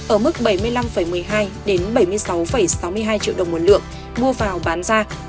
ở mức bảy mươi năm một mươi hai bảy mươi sáu sáu mươi hai triệu đồng một lượng mua vào bán ra